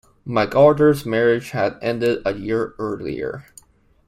MacArthur's marriage had ended a year earlier.